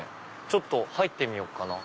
ちょっと入ってみようかな。